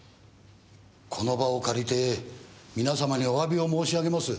この場を借りて皆様にお詫びを申し上げます。